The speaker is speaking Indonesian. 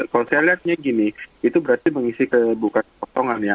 kalau saya lihatnya gini itu berarti mengisi ke bukan potongan ya